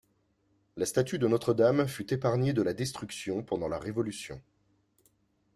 La statue de Notre-Dame fut épargnée de la destruction pendant la Révolution.